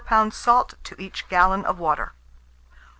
salt to each gallon of water.